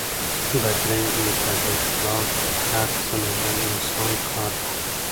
بدرنګي بداخلاق هرڅه منل اسان کار دی؛